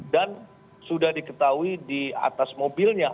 sudah diketahui di atas mobilnya